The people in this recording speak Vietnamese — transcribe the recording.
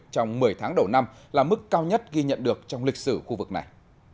trong một mươi tháng đầu năm là mức cao nhất ghi nhận được trong lịch sử khu vực này